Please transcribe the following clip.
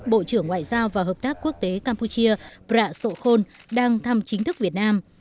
bộ trưởng ngoại giao và hợp tác quốc tế campuchia prat sokhon đang thăm chính thức việt nam